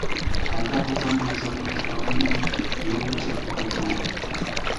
قانداق قىلسام بۇ كېسەلدىن قۇتۇلالايمەن يول كۆرسەتكەن بولساڭلار!